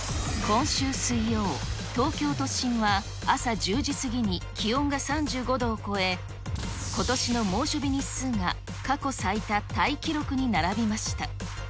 今週水曜、東京都心は朝１０時過ぎに気温が３５度を超え、ことしの猛暑日日数が過去最多タイ記録に並びました。